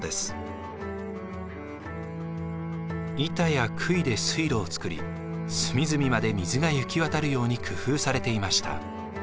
板やくいで水路を作り隅々まで水が行き渡るように工夫されていました。